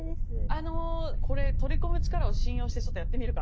あのこれ取り込む力を信用してちょっとやってみるか。